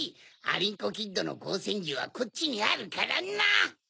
アリンコキッドのこうせんじゅうはこっちにあるからな！